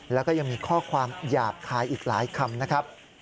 แล้วก็ยังมีข้อความหยาบคายอีกหลายคำนะครับ